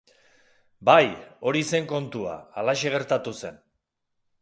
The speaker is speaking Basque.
Bai, hori zen kontua, halaxe gertatu zen.